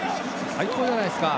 最高じゃないですか。